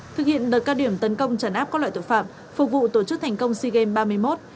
thực hiện đợt cao điểm tấn công trấn áp các loại tội phạm phục vụ tổ chức thành công sea games ba mươi một